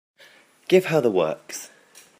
Give her the works.